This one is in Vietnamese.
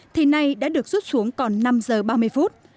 thì nay đã được rút xuống còn năm giờ ba mươi phút